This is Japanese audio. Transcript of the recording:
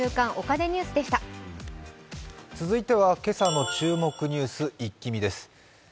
続いては今朝の注目ニュース一気見です。